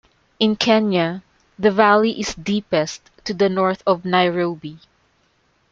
In Kenya, the valley is deepest to the north of Nairobi.